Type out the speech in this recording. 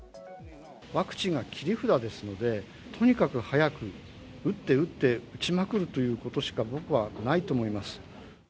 ワクチンが切り札ですので、とにかく早く、打って打って打ちまくるということしか、僕はないと思います。